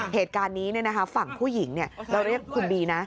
เหตุการณ์นี้ฝั่งผู้หญิงเราเรียกคุณบีนะ